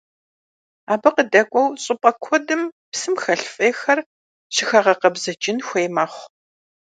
Абы къыдэкӀуэу щӀыпӀэ куэдым псым хэлъ фӀейхэр щыхэгъэкъэбзыкӀын хуей мэхъу.